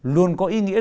luôn có ý nghĩa nữa